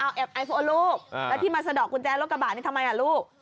ไอโฟนลูกแล้วที่มาสะดอกกุญแจรถกระบะทำไมลูก